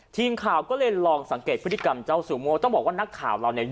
ทีมข่าวก็เลยลองสังเกตพฤติกรรมเจ้าซูโม่ต้องบอกว่านักข่าวเราเนี่ย